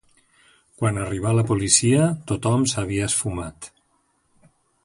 Quan arribà la policia, tothom s'havia esfumat.